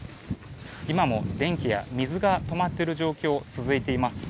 今も電気や水が止まっている状況が続いています。